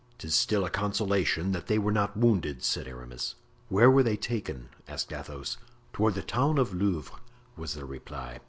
"'Tis still a consolation that they were not wounded," said Aramis. "Where were they taken?" asked Athos. "Toward the town of Louvres," was the reply.